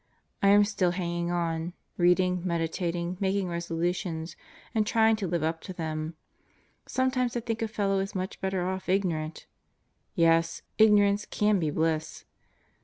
I am still hanging on: reading, meditating, making resolutions and trying to live up to them. Sometimes I think a fellow is much better off ignorant! Yes, "Ignorance can be bliss!"